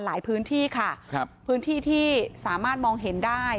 หลายพื้นที่ค่ะครับพื้นที่ที่สามารถมองเห็นได้